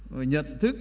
rồi nhận thức